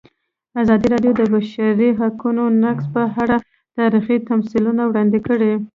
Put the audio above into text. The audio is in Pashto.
ازادي راډیو د د بشري حقونو نقض په اړه تاریخي تمثیلونه وړاندې کړي.